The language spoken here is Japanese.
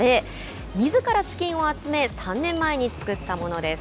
みずから資金を集め３年前に作ったものです。